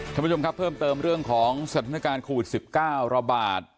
ท่านผู้ชมครับเพิ่มเติมเรื่องของสถานการณ์โควิด๑๙ระบาด